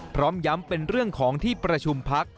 พร้อมย้ำเป็นเรื่องของที่ประชุมพัก